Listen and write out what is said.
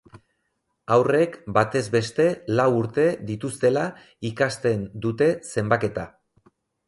Haurrek batez beste lau urte dituztela ikasten dute zenbaketa.